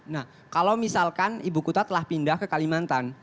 nah kalau misalkan ibu kota telah pindah ke kalimantan